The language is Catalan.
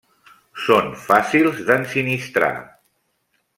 Són fàcils d'ensinistrar.